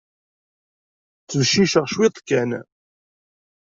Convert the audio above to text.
Ttbecciceɣ cwiṭ kan.